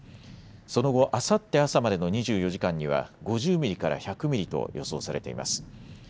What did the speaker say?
その後、あさって朝までの２４時間には５０ミリから１００ミリと予想されています。